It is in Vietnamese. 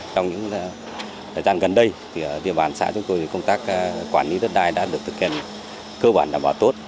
trong thời gian gần đây địa bàn xã chúng tôi công tác quản lý đất đai đã được thực hiện cơ bản đảm bảo tốt